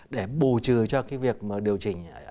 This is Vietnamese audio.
để bù trừ cho cái việc điều chỉnh